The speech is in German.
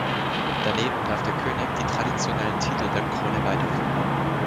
Daneben darf der König die traditionellen Titel der Krone weiterführen.